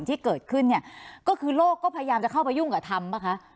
ที่เกิดขึ้นเนี่ยก็คือโลกก็พยายามจะเข้าไปยุ่งกับธรรมป่ะคะ